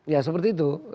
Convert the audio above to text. ya seperti itu